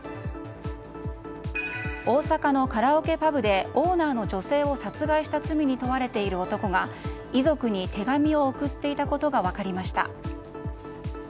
大阪のカラオケパブでオーナーの女性を殺害した罪に問われている男が遺族に手紙を送っていたことが分かりました。